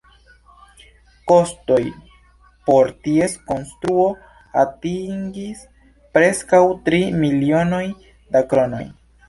Kostoj por ties konstruo atingis preskaŭ tri milionoj da kronoj.